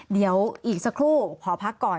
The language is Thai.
เดี๋ยวอีกสักครู่ขอพักก่อน